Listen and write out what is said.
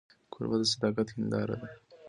کوربه د صداقت هنداره ده.